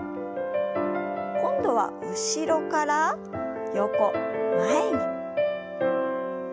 今度は後ろから横前に。